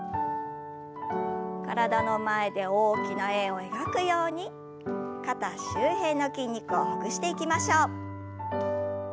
体の前で大きな円を描くように肩周辺の筋肉をほぐしていきましょう。